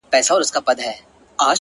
پر جبين باندې لښکري پيدا کيږي ـ